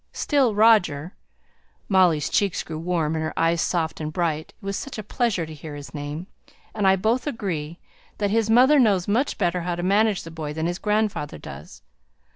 Still Roger" (Molly's cheeks grew warm and her eyes soft and bright; it was such a pleasure to hear his name) "and I both agree that his mother knows much better how to manage the boy than his grandfather does.